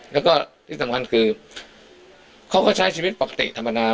แล้วก็ที่สำคัญคือเขาก็ใช้ชีวิตปกติธรรมดา